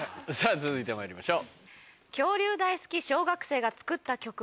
続いてまいりましょう。